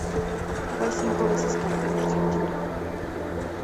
Fue cinco veces Campeón Argentino.